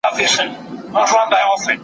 د زعفرانو کښت د چاپیریال لپاره ښه دی.